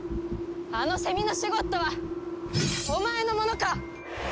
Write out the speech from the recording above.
あのセミのシュゴッドはお前のものか！？